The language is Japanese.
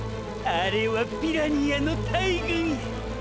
あれはピラニアの大群や。